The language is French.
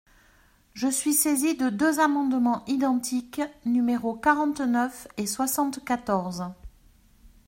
Je suis saisi de deux amendements identiques, numéros quarante-neuf et soixante-quatorze.